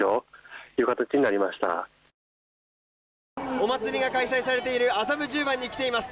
お祭りが開催されている麻布十番に来ています。